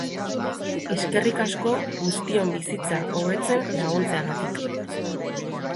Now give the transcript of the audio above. Eskerrik asko guztion bizitza hobetzen laguntzeagatik.